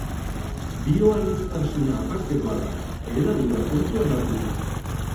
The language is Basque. Bioaniztasuna apartekoa da, hedadura kontuan hartuta.